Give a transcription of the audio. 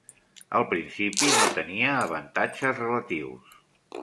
Al principi no tenia avantatges relatius.